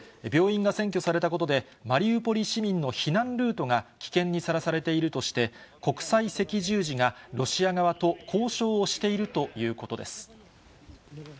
病院が占拠されたことで、マリウポリ市民の避難ルートが危険にさらされているとして、国際赤十字がロシア側と交渉をしているということです。